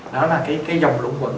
đó là cái dòng lũng quẩn